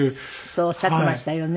そうおっしゃってましたよね。